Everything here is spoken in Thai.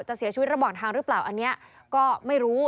จะเสียชีวิตระหว่างทางหรือเปล่าอันนี้ก็ไม่รู้